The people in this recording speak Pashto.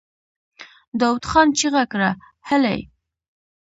داوود خان چيغه کړه! هلئ!